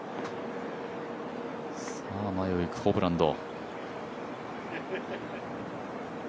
前を行くホブランド。